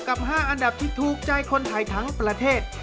กับ๕อันดับที่ถูกใจคนไทยทั้งประเทศ